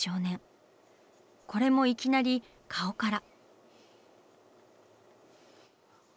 これもいきなり顔から。